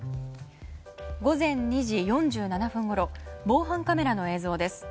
午前２時４７分ごろ防犯カメラの映像です。